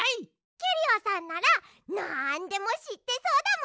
キュリオさんならなんでもしってそうだもんね。